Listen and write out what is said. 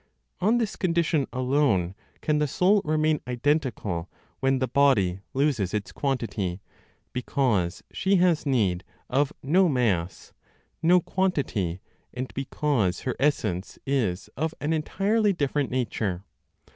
On this condition alone can the soul remain identical when the body loses its quantity, because she has need of no mass, no quantity, and because her essence is of an entirely different nature.